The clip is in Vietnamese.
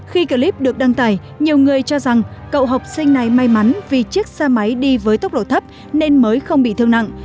khi clip được đăng tải nhiều người cho rằng cậu học sinh này may mắn vì chiếc xe máy đi với tốc độ thấp nên mới không bị thương nặng